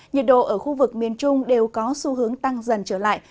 nhiệt độ ở khu vực miền trung đều có xu hướng tăng dần trở lại